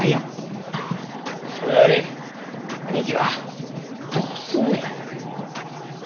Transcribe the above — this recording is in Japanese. それより兄貴はどうすんねん！